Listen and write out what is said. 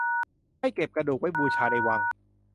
ให้เก็บกระดูกไว้บูชาในวัง